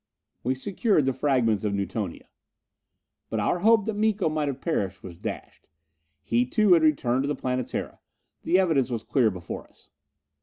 We secured the fragments of Newtonia. But our hope that Miko might have perished was dashed. He too had returned to the Planetara! The evidence was clear before us.